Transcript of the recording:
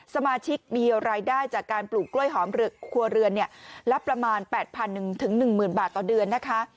สมาชิกมีรายได้จากการปลูกกล้วยหอมครัวเรือนละประมาณ๘๐๐๑๑๐๐๐บาทต่อเดือนนะคะ